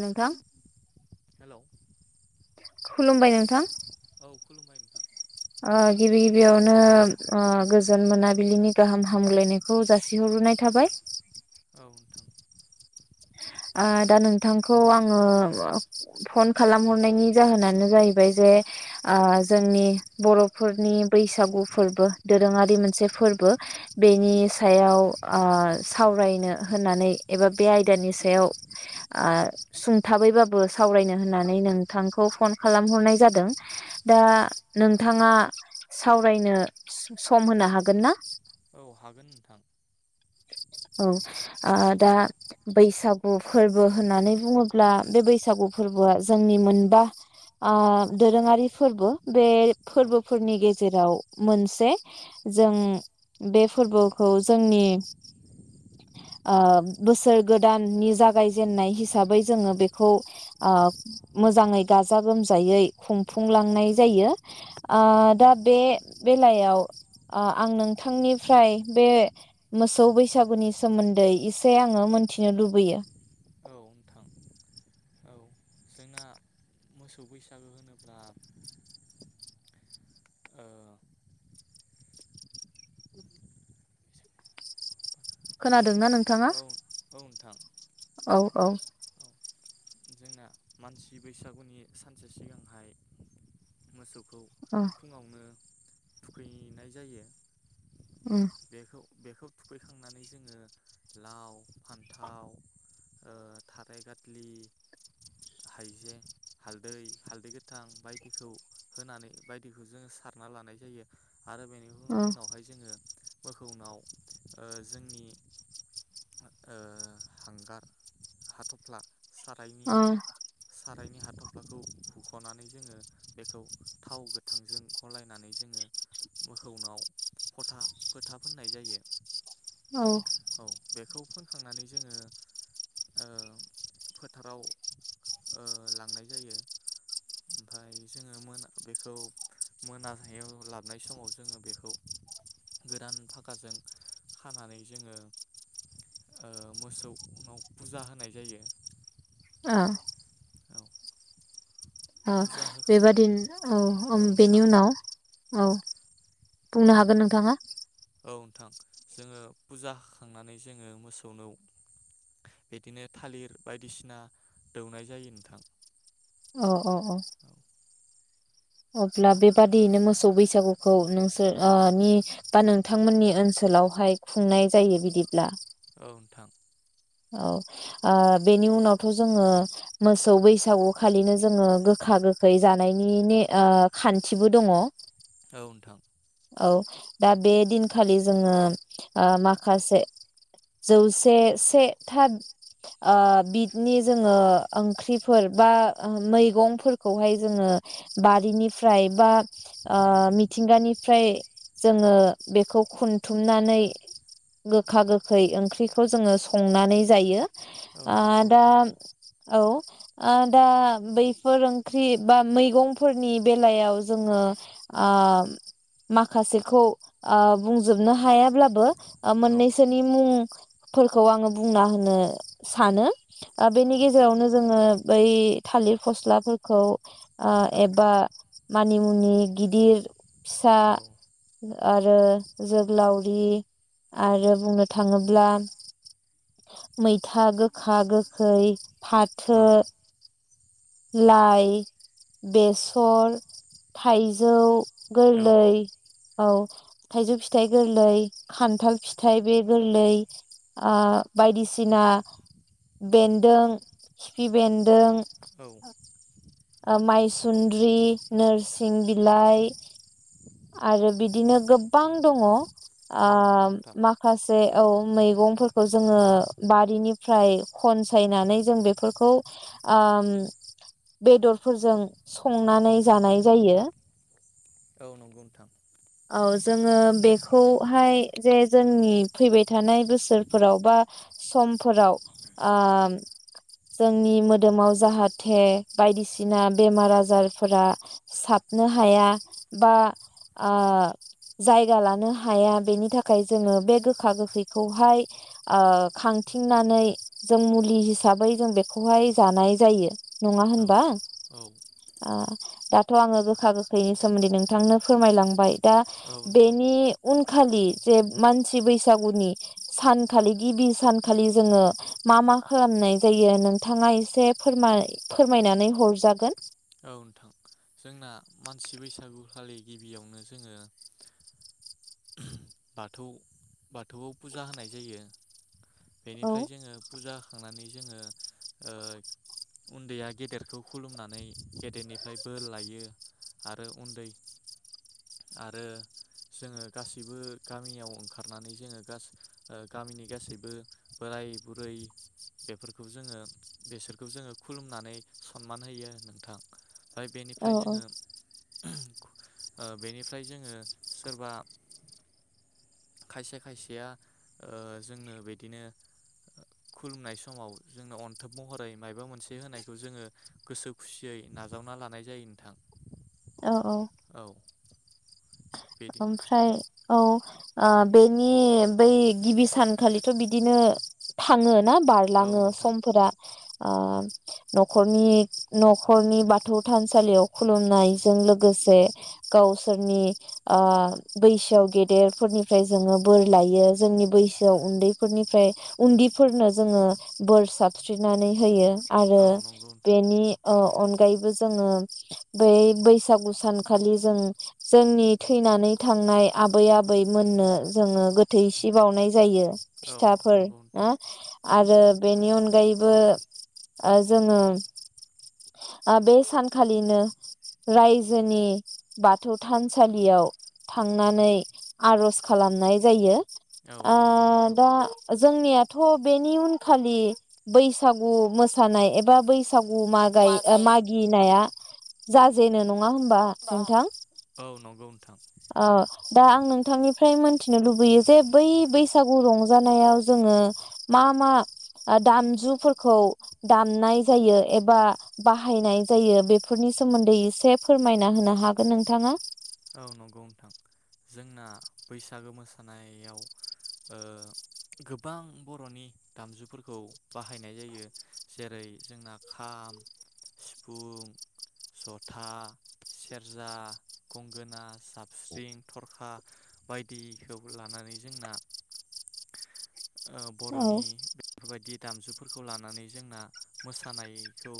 नोंथां। हेलौ खुलुमबाय नोंथां। औ खुलुमबाय नोंथां। बेयावनो ओ गोजोन मोनाबिलिनि गाहाम हामग्लायनायखौ जासिहरग्रोनाय थाबाय। औ नोंथां ओ दा नोंथांखौ आङो फन खालामहरनायनि जाहोनानो जाहैबाय जे जोंनि बर'फोरनि बैसागु फोरबो दोरोङारि मोनसे फोरबो बेनि सायाव सावरायनो होननानै एबा बे आयदानि सायाव सायाव सुंथाबैबाबो सावरायनो होननानै नोंथांखौ फन खालामहरनाय जादों। दा औ नों नोंथाङा सावरायनो सम होनो हागोन ना? औ हागोन नोंथां औ ओ दा बैसागु फोरबो होननानै बुङोब्ला बे बैसागु फोरबोआ जोंनि मोनबा ओ दोरोङारि फोरबो बे औ फोरबोफोरनि गेजेराव मोनसे जों बे फोरबोखौ जोंनि ओ बोसोर गोदाननि जागायजेनन्नाय हिसाबै जोङो बेखौ ओ मोजाङै गाजा गोमजायै खुंफुंलांनाय जायो। ओ औ दा बे बेलायाव ओ आं नोंथांनिफ्राय बे मोसौ बैसा बैसागुनि सोमोन्दै इसे आङो मोनथिनो लुबैयो। औ नोंथां औ जोंना मोसौ बैसागो होनोब्ला ओ खोनादोंना नोंथाङा? औ औ नोंथां। औ औ औ जोंना मानसि बैसागुनि सानसे सिगांहाय मोसौ खौ अ फुङावनो थुखैनाय जायो। उम बेखौ बेखौ थुखैखांनानै जोङो लाव फान्थाव ओ थाराय गाथ्लि हाइजें हालदै हालदै गोथां बायदिखौ होनानै बायदिखौ जोङो सारना लानाय जायो। आरो बेनि उ अ उनावहाय जोङो मोखौनाव जोंनि ओ हांगार हाथफ्ला सारायनि अ सारायनि हाथ'फ्लाखौ हुख'नानै जोङो बेखौ थाव गोथांजों गलायनानै जोङो मोखौनाव फथा फोथा फोननाय जायो। औ औ बेखौ फोनखांनानै जोङो ओ फोथाराव ओ लांनाय जायो ओमफाय जोङो मोना बेखौ मोनायाव लाबनाय समाव जोङो बेखौ गोदान फाकाजों खानानै जोङो ओ मोसौनाव पुजा होनाय जायो। ओ औ ओ फुजा हो बेबादिनो औ औ बेनि उनाव औ बुंनो औ हागोन नोंथाङा औ नोंथां जोङो फुजा होखांनानै जोङो मोसौनो बिदिनो थालिर बायदिसिना दौनाय जायो नोंथां औ औ औ औ अब्ला बेबादियैनो मोसौ बैसागुखौ नोंसोर नि बा नोंथांमोननि ओनसोलावहाय खुंनाय जायो बिदिब्ला औ नोंथां औ ओ बेनि उनावथ' जोङो मोसौ बैसागु खालिनो जोङो गोखा गोखै जानायनि ने खानथिबो दङ औ नोंथां औ दा बे दिनखालि जोङो ओ माखासे जौसे से थाद ओ बिदनि जोङो ओंख्रिफोर बा मैगंफोरखौहाय जोङो बारिनिफ्राय बा ओ मिथिंगानिफ्राय जोङो बेखौ खनथुमनानै गोखा गोखै ओंख्रिखौ जोङो संना नै जायो ओ नंगौ दा नोंथां औ दा बैफोर ओंख्रि बा मैगंफोरनि बेलायाव जोङो माखासेखौ बुंजोबनो हायाब्लाबो आ औ मानैसनि मुं फोरखौ आङो बुंना होनो सानो औ बेनि नोंथां गेजेरावनो जोङो बै थालिर फस्लाफोरखौ आ औ एबा मानिमुनि गिदिर फिसा औ आरो जोग्लावरि औ आरो नंगौ बुंनो नोंथां थाङोब्ला मैथा गोखा गोखै फाथो औ लाइ बेसर थाइजौ औ गोरलै औ थाइजौ फिथाइ गोरलै खानथाल फिथाइ बे गोरलै बायदिसिना बेनदों खिफि बेनदों औ मायसुनद्रि नोरसिं बिलाइ आरो बिदिनो गोबां दङ आ औ नंगौ नोंथां माखासे औ मैगं जोङो बारिनिफ्राय खनसायनानै जों बेफोरखौ बेदरफोरजों संनानै जानाय जायो औ नंगौ नोंथां औ जोङो बेखौहाय जे जोंनि फैबाय थानाय बोसोर फोराव बा समफोराव जोंनि मोदोमाव जाहाथे बायदिसिना बेमार आजारफोरा साबनो हाया बा जायगा लानो हाया बेनि थाखाय जोङो बे गोखा गोखैखौहाय खांथिंनानै जों मुलि हिसाबै जों बेखौहाय जानाय जायो नङा औ होनबा औ दाथ' आङो गोखा गोखैनि सोमोनदै नोंथांनो फोरमायलांबाय दा औ नोंथां बेनि उन खालि जे मानसि बैसागुनि सानखालि गिबि सानखालि जोङो मा मा खालामनाय जायो नोंथाङा एसे फोरमायनानै हरजागोन औ नोंथां जोंना मानसि बैसागु खालि गिबियावनो जोङो बाथौ बाथौआव फुजा होनाय जायो। औ बेनिफ्राय जोङो फुजा होखांनानै जोङो उनदैया गेदेरखौ खुलुमनानै गेदेरनिफ्राय बोर लायो आरो उनदै आरो जोङो गासैबो गामियाव ओंखारनानै जोङो गास गामिनि गासैबो बोराय बुरै बेफोरखौ जोङो बेसोरखौ जोङो खुलुमनानै सनमान होयो। नोंथां ओमफ्राय औ बेनिफ्राय औ जोङो ओ बेनिफ्राय जोङो सोरबा खायसे खायसेया ओ जोंनो बिदिनो खुलुमनाय समाव जोंनो अनथोब महरै मायबा मोनसे होनायखौ जोङो गोसो खुसियै नाजावना लानाय जायो नोंथां। औ बिदि ओमफ्राय औ ओ बेनि बै गिबि सानखालिथ बिदिनो थाङो। ना औ बारलाङो नोंथां समफोरा उम नखरनि नखरनि बाथौ थानसालियाव खुलुमनायजों लोगोसे गावसोरनि आ बैसोआव गेदेरफोरनिफ्राय जोङो बोर लायो‌ जोंनि बैसोआव उन्दैनिफ्राय उन्दैफोरनो बोर साबस्रिनानै होयो। आरो औ नंगौ नोंथां बेनि ओ अनगायैबो जोङो बै बैसागु सानखालि जों जोंनि थैनानै थांनाय आबै आबै मोननो जोङो गोथै सि बावनाय जायो औ फिथाफोर नंगौ ना नोंथां औ आरो बेनि अन अनगायैबो जोङो बे सानखालिनो रायजोनि बाथौ थानसा सालियाव थांनानै आर'ज खालामनाय जायो। औ आ नंगौ नोंथां। दा जोंनियाथ बेनि उनखालि बैसागु मोसानाय एबा बैसा गु मागाय मा गाय मागिनाया जाजेनो नं नङा होमबा बा नोंथां? औ नंगौ नोंथां। ओ दा आं नोंथांनिफ्राय मोनथिनो लुबैयो जे बै बैसागु रंजानायाव जोङो मा मा दामजुफोरखौ दामनाय जायो एबा बाहायनाय जायो बेफोरनि सोमोन्दै एसे फोरमायना होनो हागोन नोंथाङा। औ नंगौ नोंथां जोंना बैसागो मोसानायाव ओ गोबां बर'नि दामजुफोरखौ बाहायनाय जायो। जेरै जोंना खाम, सिफुं, जथा, सेरजा, गंगोना, जाबस्रिं, थरखा बायदिखौ लानानै जोंना ओ औ बर'नि बेफोरबायदि दामजुफोरखौ लानानै जोंना मोसानायखौ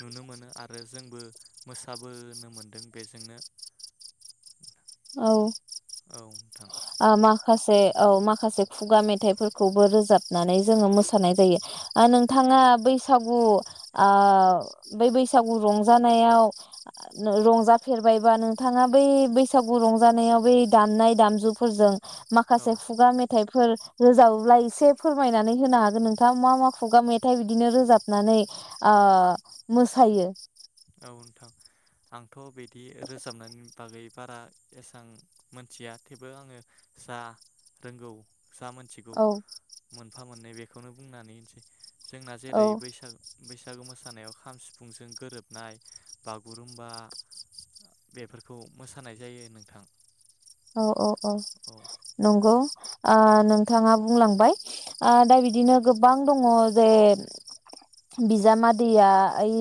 नुनो मोनो आरो जोंबो मोसाबोनो मोनदों बेजोंनो। औ औ नोंथां खासे औ माखासे खुगा मेथाइफोरखौबो रोजाबनानै जोङो मोसानाय जायो आरो नोंथाङा बैसागु आ बै बैसागु रंजानायाव रंजाफेरबायबा नोंथाङा बै बै सागु रंजानायाव ब दामनाय दामजुफोरजों औ माखासे खुगा मेथाइ फोर रोजाबोब्ला एसे फोरमायनानै होनो हागोन नोंथाङा मा मा खुगा मेथाइ बिदिनो रोजाबनानै ओ मोसायो। आं थ बिदि रोजाबनायनि बागै बारा एसां मोनथिया थेवबो आङो जा रोंगौ जा मोनथिगौ औ मोन मोनफा मोननै बेखौनो बुंनानै होनसै। जोंना औ जेरै बैसाग बैसागु मोसा सानायाव खाम सिफुंजों गोरोब नाय बागुरुमबा बेफोरखौ मोसानाय जायो नोंथां। औ औ औ नंगौ। ओ नोंथाङा बुंलांबाय ओ दा बिदिनो गोबां दङ जे बिजामादैया ओइ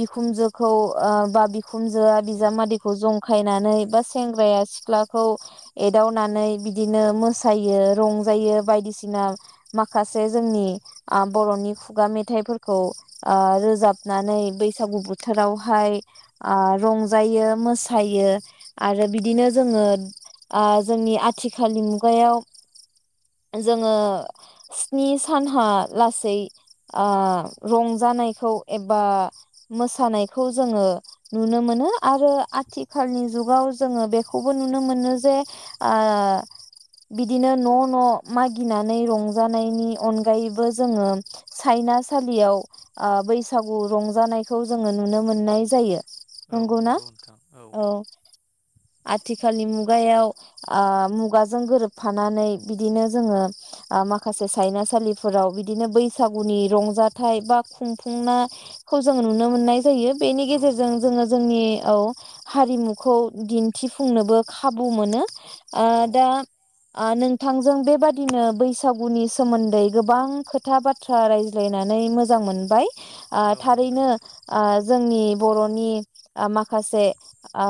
बिखुमजोखौ ओ बा बिखुनजोआ बिजामादैखौ जंखायनानै बा सेंग्राया सिख्ला खौ एदावनानै बिदिनो मोसायो रंजायो बायदिसिना माखासे जोंनि बर'नि खुगा मेथाइफोरखौ ओ रोजाबनानै बैसागु बोथोरावहाय ओ रंजायो मोसायो आरो बिदिनो जोङो ओ जोंनि आथिखालनि मुगायाव जोङो स्नि सानहा लासै ओ रंजानायखौ एबा मोसानायखौ जोङो नुनो मोनो आरो आथिखालनि जुगाव जोङो बेखौबो नु नो मोनो जे ओ बिदिनो न' न' मागिनानै रंजानायनि अनगायैबो जोङो सायनासालियाव ओ बैसागु रंजानायखौ जोङो नुनो मोननाय जायो। औ नंगौना नंगौ नोंथां औ थिखालनि मुगायाव आ मुगाजों गोरोबफानानै बिदिनो जोङो माखासे सायनासालिफोराव बिदिनो बैसागुनि रंजाथाइ बा खुंफुंनाखौ जों नुनो मोननाय जायो। बेनि औ गेजेरजों नंगौ जोङो नोंथां जोंनि औ हारिमुखौ दिन्थिफु फुंनोबो खाबु मोनो। ओ औ दा ओ नोंथांजों बेबादिनो बैसागुनि सोमोन्दै गोबां खोथा बाथ्रा रायज्लायनानै मोजां मोनबाय। आ औ नोंदों थारैनो आ जोंनि बर'नि माखासे आ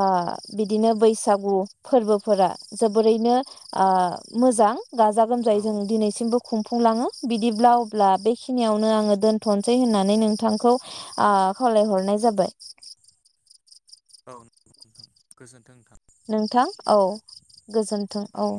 बिदिनो बै सागु फोरबोफोरा जोबोरैनो ओ मोजां गाजा औ गोमजायै जों दिनैसिमबो खुंफुंलाङो बिदिब्ला अब्ला बेखिनियावनो आङो दोनथ'सै होननानै नोंथांखौ ओ खावलायहरनाय जाबाय। [unintelligible] गोजोन्थों नोंथां नोंथां औ गोजोन्थों औ